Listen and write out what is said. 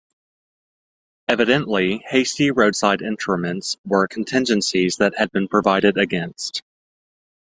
Evidently hasty roadside interments were contingencies that had been provided against.